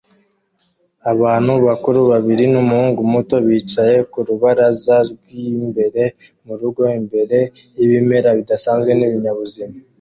Abantu bakuru babiri n'umuhungu muto bicaye ku rubaraza rw'imbere mu rugo imbere y'ibimera bidasanzwe n'ibinyabuzima